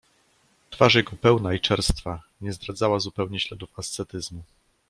"Twarz jego pełna i czerstwa nie zdradzała zupełnie śladów ascetyzmu."